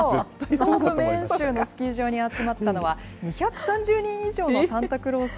東部メーン州のスキー場に集まったのは、２３０人以上のサンタクロース。